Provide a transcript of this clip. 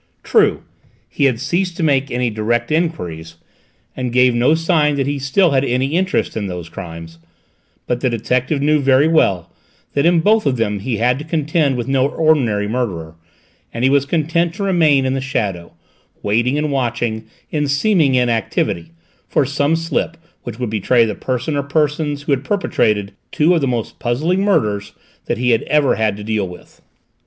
True, he had ceased to make any direct enquiries, and gave no sign that he still had any interest in those crimes; but the detective knew very well that in both of them he had to contend with no ordinary murderer and he was content to remain in the shadow, waiting and watching, in seeming inactivity, for some slip which should betray the person or persons who had perpetrated two of the most puzzling murders that he had ever had to deal with.